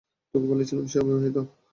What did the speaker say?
তোকে বলেছিলাম সে অবিবাহিত।